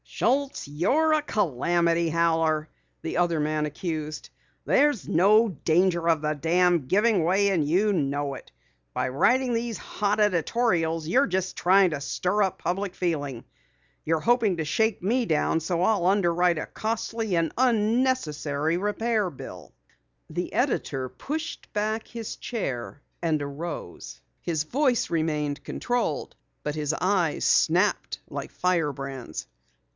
"Schultz, you're a calamity howler!" the other accused. "There's no danger of the dam giving way and you know it. By writing these hot editorials you're just trying to stir up public feeling you're hoping to shake me down so I'll underwrite a costly and unnecessary repair bill." The editor pushed back his chair and arose. His voice remained controlled but his eyes snapped like fire brands.